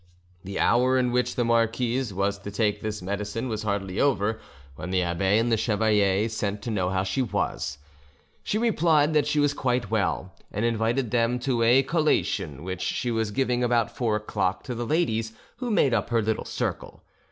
The hour in which the marquise was to take this medicine was hardly over when the abbe and the chevalier sent to know how she was. She replied that she was quite well, and invited them to a collation which she was giving about four o'clock to the ladies who made up her little circle.